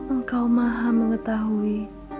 engkau maha mengetahui